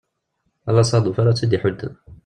Ala asaḍuf ara tt-id-iḥudden.